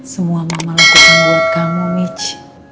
semua mama lakukan buat kamu mitch